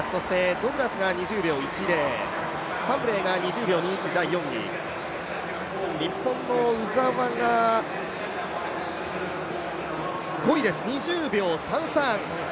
ドグラスが２０秒１０、ファンブレーが２０秒２１で第４位、日本の鵜澤が５位です、２０秒３３。